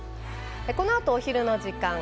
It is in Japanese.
このあと、お昼の時間。